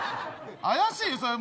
怪しいぞ。